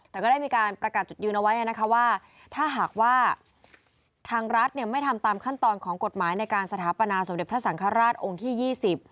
แต่ก็ได้มีการประกาศจุดยืนเอาไว้นะคะว่าถ้าหากว่าทางรัฐเนี่ยไม่ทำตามขั้นตอนของกฎหมายในการสถาปนาสมเด็จพระสังฆราชองค์ที่ยี่สิบ